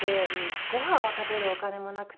ごはんを食べるお金もなくて。